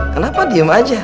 kenapa diam aja